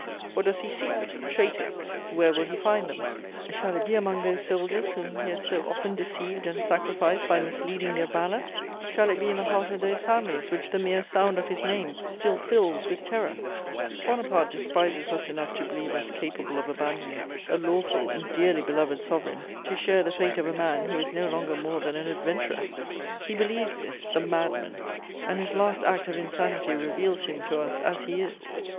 What does he seek? Traitors. Where will he find them? Shall it be among those soldiers whom he has so often deceived and sacrificed by misleading their valour? Shall it be in the heart of those families which the mere sound of his name still fills with terror? "Bonaparte despises us enough to believe us capable of abandoning a lawful and dearly beloved Sovereign to share the fate of a man who is no longer more than an adventurer. He believes this, the madman, and his last act of insanity reveals him to us as he is!